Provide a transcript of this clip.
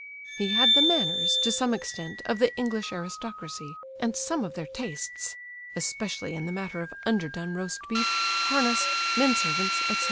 He had the manners, to some extent, of the English aristocracy, and some of their tastes (especially in the matter of under done roast beef, harness, men servants, etc.).